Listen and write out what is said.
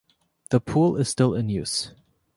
The pool is still in use.